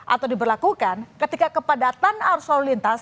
atau diberlakukan ketika kepadatan arus lalu lintas